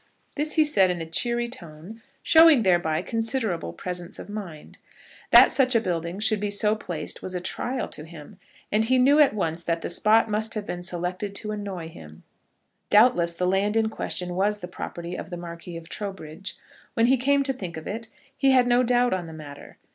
This he said in a cheery tone, showing thereby considerable presence of mind. That such a building should be so placed was a trial to him, and he knew at once that the spot must have been selected to annoy him. Doubtless, the land in question was the property of the Marquis of Trowbridge. When he came to think of it, he had no doubt on the matter.